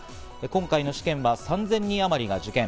今回の試験は３０００人あまりが受験。